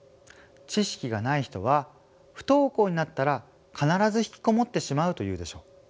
知識がない人は不登校になったら必ず引きこもってしまうと言うでしょう。